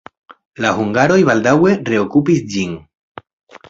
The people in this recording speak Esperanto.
La hungaroj baldaŭe reokupis ĝin.